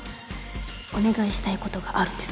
お願いしたいことがあるんです